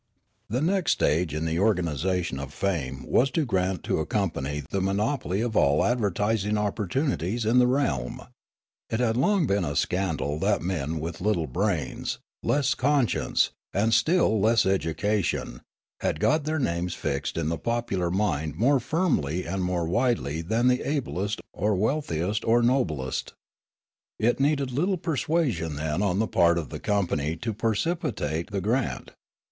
The next stage in the organisation of fame was to grant to a company the monopoly of all advertising opportunities in the realm. It had long been a scandal 70 Riallaro that men with little brains, less conscience, and still less education had got their names fixed in the popular mind more firmly and more widely than the ablest or wealthiest or noblest. It needed, little persuasion then on the part of the company to precipitate the grant.